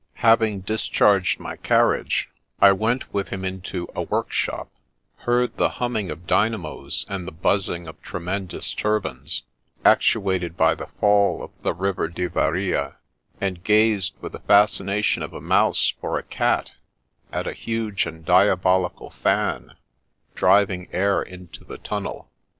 Having dis charged my carriage, I went with him into a work shop, heard the humming of d)mamos, and the buzz ing of tremendous turbines, actuated by the fall of the river Diveria, and gazed with the fascination of a mouse for a cat at a huge and diabolical fan, driving air into the tunnel.